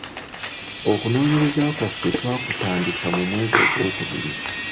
Okunoonyereza kwaffe twakutandika mu mwezi Ogwokubiri.